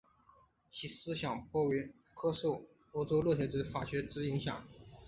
其思想颇受欧陆哲学及佛学之影响。